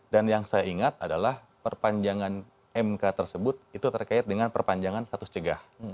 dan yang saya ingat adalah perpanjangan mk tersebut itu terkait dengan perpanjangan status cegah